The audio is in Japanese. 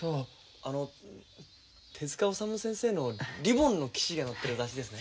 あの手治虫先生の「リボンの騎士」が載ってる雑誌ですね。